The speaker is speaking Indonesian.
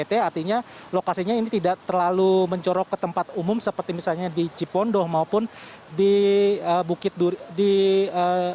jadi artinya lokasinya ini tidak terlalu mencorok ke tempat umum seperti misalnya di cipondo maupun di bukit durik